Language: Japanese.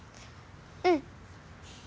うん。